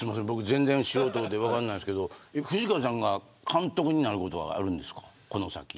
素人で分からないんですけど藤川さんが監督になることはあるんですかこの先。